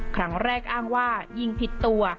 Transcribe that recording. ครั้งแรกอ้างว่ายิ่งผิดตัว